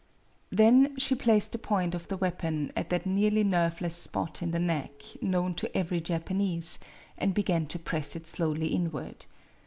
Then she placed the point of the weapon at that nearly nerveless spot in the neck known to every Japanese, and began to press it slowly inward.